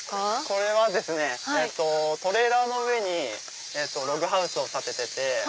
これはですねトレーラーの上にログハウスを建ててて。